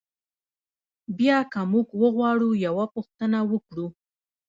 بیا که موږ وغواړو یوه پوښتنه وکړو.